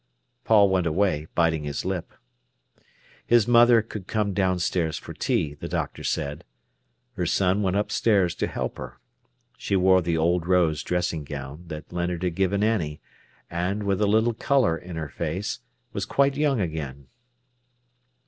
Paul went away, biting his lip. His mother could come downstairs for tea, the doctor said. Her son went upstairs to help her. She wore the old rose dressing gown that Leonard had given Annie, and, with a little colour in her face, was quite young again.